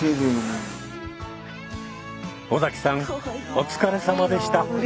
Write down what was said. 尾崎さんお疲れさまでした。